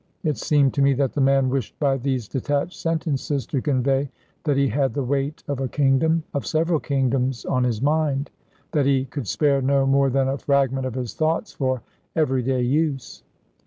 It seemed to me that the man wished by these detached sentences to convey that he had the weight of a kingdom of several kingdoms on his mind; that he could spare no more than a fragment of his thoughts for everyday use.